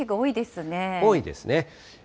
多いですね。